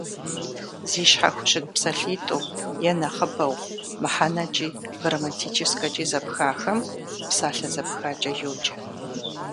Зи щхьэ хущыт псалъитӏу е нэхъыбэу мыхьэнэкӏи грамматическэкӏи зэпхахэм псалъэ зэпхакӏэ йоджэ.